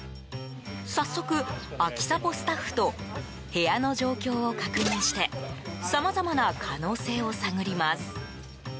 早速、アキサポスタッフと部屋の状況を確認してさまざまな可能性を探ります。